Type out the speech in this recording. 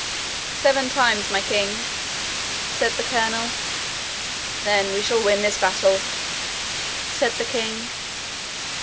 'Seven times, my king,' said the colonel. 'Then shall we win this battle!' said the king.